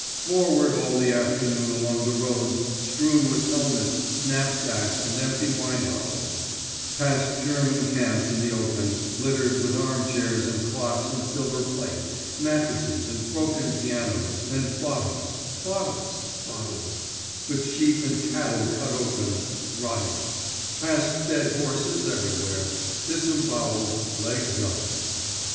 Forward all the afternoon, along the roads strewn with helmets, knapsacks, and empty wine bottles; past German camps in the open, littered with armchairs and clocks and silver plate, mattresses and broken pianos, and bottles, bottles, bottles—with sheep and cattle cut open, rotting; past dead horses everywhere, disemboweled, legs up.